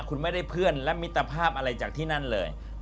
คุณไม่ได้เพื่อนและมิตรภาพอะไรจากที่นั่นเลย